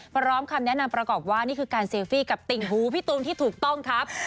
พร้อมคำแนะนำประกอบว่านี่คือการเซลฟี่กับติ่งหูพี่ตูนที่ถูกต้องครับ